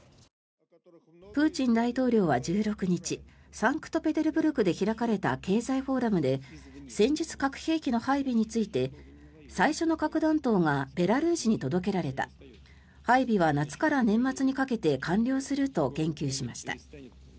プーチン大統領は１６日サンクトペテルブルクで開かれた経済フォーラムで戦術核兵器の配備について最初の核弾頭がベラルーシに届けられた配備は夏から年末にかけて完了すると言及しました。